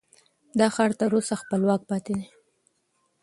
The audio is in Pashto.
دا ښار تر اوسه خپلواک پاتې دی.